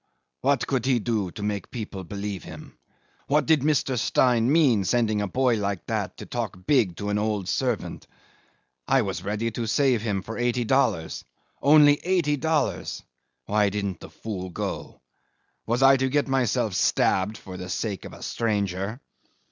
What could he do to make people believe him? What did Mr. Stein mean sending a boy like that to talk big to an old servant? I was ready to save him for eighty dollars. Only eighty dollars. Why didn't the fool go? Was I to get stabbed myself for the sake of a stranger?"